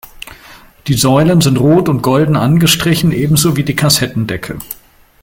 Die Säulen sind rot und golden angestrichen, ebenso wie die Kassettendecke.